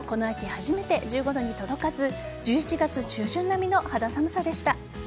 初めて１５度に届かず１１月中旬並みの肌寒さでした。